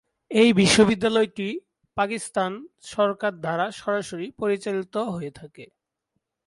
এই বিশ্ববিদ্যালয়টি পাকিস্তানের সরকার দ্বারা সরাসরি পরিচালিত হয়ে থাকে।